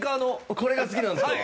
これが好きなんですか？